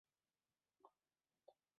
Jien qed nipprova nagħti l-opinjoni tiegħi.